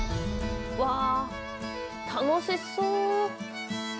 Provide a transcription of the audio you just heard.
わ楽しそう。